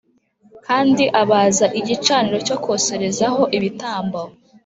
Kandi abaza igicaniro cyo koserezaho ibitambo